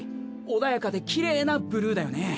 穏やかできれいなブルーだよね。